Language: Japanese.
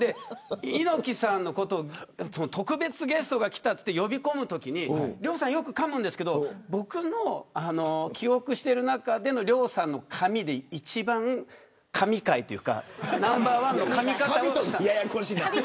猪木さんのことを特別ゲストが来たといって呼び込むときに亮さんよくかむんですけど僕の記憶している中での亮さんの回で一番かみ回というかナンバーワンのかみ方をした。